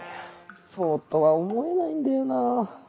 そうとは思えないんだよな。